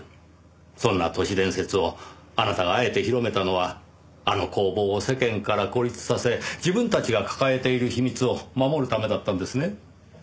そんな都市伝説をあなたがあえて広めたのはあの工房を世間から孤立させ自分たちが抱えている秘密を守るためだったんですね？